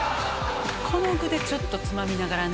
この具でちょっとつまみながらね